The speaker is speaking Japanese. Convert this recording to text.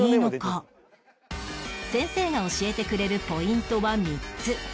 先生が教えてくれるポイントは３つ